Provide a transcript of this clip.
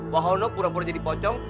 wahono pura pura jadi pocong